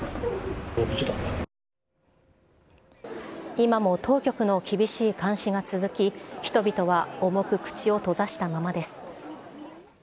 今も当局の厳しい監視が続き、人々は重く口を閉ざしたままです。